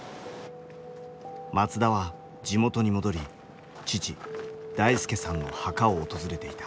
松田は地元に戻り父大輔さんの墓を訪れていた。